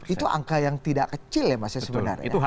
itu angka yang tidak kecil ya mas ya sebenarnya